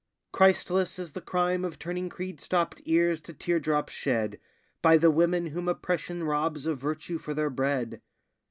Christless is the crime of turning creed stopped ears to teardrops shed By the women whom oppression robs of virtue for their bread.